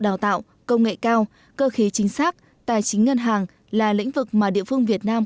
đào tạo công nghệ cao cơ khí chính xác tài chính ngân hàng là lĩnh vực mà địa phương việt nam